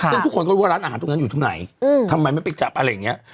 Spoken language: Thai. ซึ่งทุกคนก็รู้ว่าร้านอาหารตรงนั้นอยู่ตรงไหนทำไมไม่ไปจับอะไรอย่างนี้